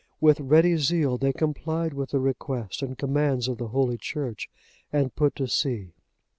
With ready zeal they complied with the request and commands of the Holy Church, and put to sea.